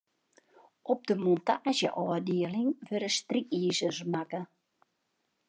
Op de montaazjeôfdieling wurde strykizers makke.